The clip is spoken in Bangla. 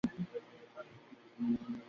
তার পূর্বের বাড়ী-ঘর এখনও পাওয়া যায় নাই।